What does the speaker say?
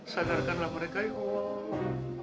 sadarkanlah mereka ya allah